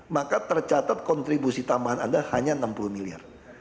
maka tercatat kontribusi tambahan anda hanya enam puluh miliar